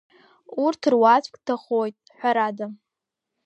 Урҭ руаӡәк дҭахоит, ҳәарада.